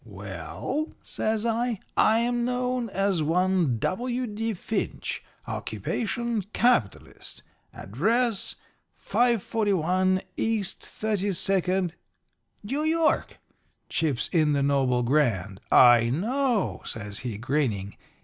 "'Well,' says I, 'I am known as one W. D. Finch. Occupation, capitalist. Address, 541 East Thirty second ' "'New York,' chips in the Noble Grand. 'I know,' says he, grinning.